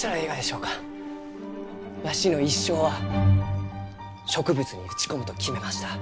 わしの一生は植物に打ち込むと決めました。